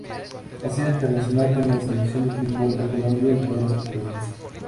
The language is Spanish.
Ha sido internacional con la Selección de fútbol de Colombia en todas las categorías.